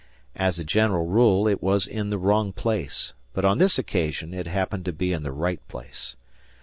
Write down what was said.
As a general rule, it was in the wrong place, but on this occasion it happened to be in the right place.